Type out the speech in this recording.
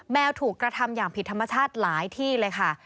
ถูกกระทำอย่างผิดธรรมชาติหลายที่เลยค่ะ